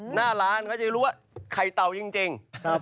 หน้าร้านเขาจะรู้ว่าไข่เต่าจริง